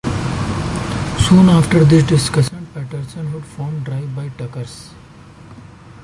Soon after this discussion, Patterson Hood formed Drive-By Truckers.